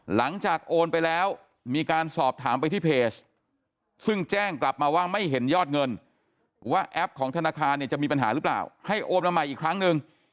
หลังจากโอนไปแล้วมีการสอบถามไปที่เพจซึ่งแจ้งกลับมาว่าไม่เห็นยอดเงินว่าแอปของธนาคารเนี่ยจะมีปัญหาหรือเปล่าให้โอนมาใหม่อีกครั้งหนึ่ง